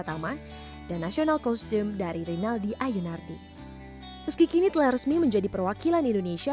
sama dan nasional kostum dari rinaldi ayonardi meski kini telah resmi menjadi perwakilan indonesia